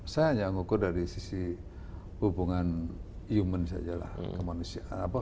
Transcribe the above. saya hanya ngukur dari sisi hubungan human saja lah ke manusia